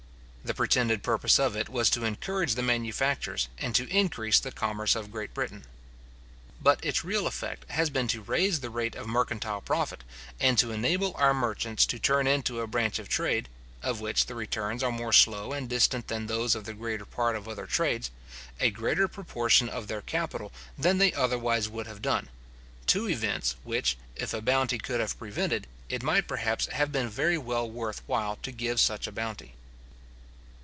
The pretended purpose of it was to encourage the manufactures, and to increase the commerce of Great Britain. But its real effect has been to raise the rate of mercantile profit, and to enable our merchants to turn into a branch of trade, of which the returns are more slow and distant than those of the greater part of other trades, a greater proportion of their capital than they otherwise would have done; two events which, if a bounty could have prevented, it might perhaps have been very well worth while to give such a bounty.